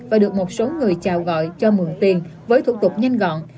và được một số người chào gọi cho mượn tiền với thủ tục nhanh gọn